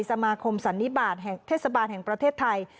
สมาคมสันนิบาทแห่งเทศบาลแห่งประเทศไทย